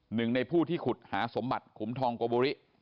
หนึ่งในผู้ที่ขุดหาสมบัติขุมทองโกโบริ